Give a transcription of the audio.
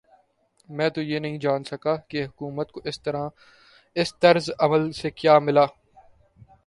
میں تو یہ نہیں جان سکا کہ حکومت کو اس طرز عمل سے کیا ملا؟